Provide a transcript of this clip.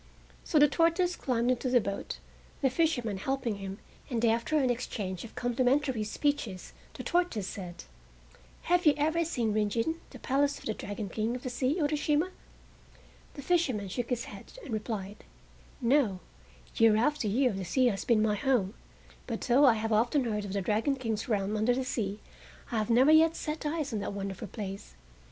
So the tortoise climbed into the boat, the fisherman helping him, and after an exchange of complimentary speeches the tortoise said: "Have you ever seen Rin Gin, the Palace of the Dragon King of the Sea, Urashima?" The fisherman shook his head and replied; "No; year after year the sea has been my home, but though I have often heard of the Dragon King's realm under the sea I have never yet set eyes on that wonderful place.